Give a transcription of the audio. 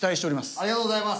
ありがとうございます！